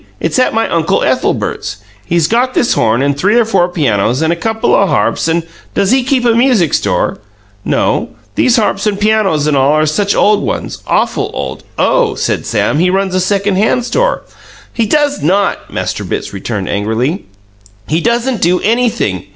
"It's at my Uncle Ethelbert's. He's got this horn and three or four pianos and a couple o' harps and " "Does he keep a music store?" "No. These harps and pianos and all such are old ones awful old." "Oh," said Sam, "he runs a second hand store!" "He does not!" Master Bitts returned angrily. "He doesn't do anything.